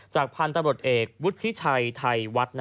พันธุ์ตำรวจเอกวุฒิชัยไทยวัด